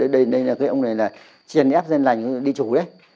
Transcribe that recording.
đây là cái ông này là chèn ép dân lành đi chủ đấy